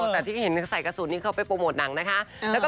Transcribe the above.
แต่พี่เห็นใส่กระสุทธิ์นี้เขาไปโพสต์นังแล้วก็